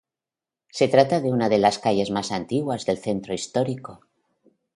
Se trata de una de las calles más antiguas del centro histórico.